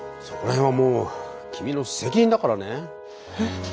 そこら辺はもう君の責任だからね？